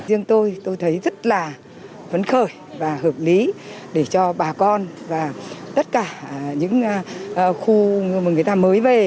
riêng tôi tôi thấy rất là phấn khởi và hợp lý để cho bà con và tất cả những khu mà người ta mới về